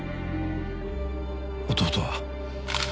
弟は。